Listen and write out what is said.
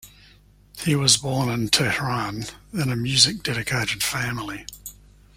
He was born in Tehran in a music-dedicated family.